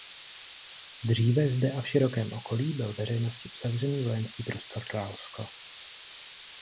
Dříve zde a v širokém okolí byl veřejnosti uzavřený vojenský prostor Ralsko.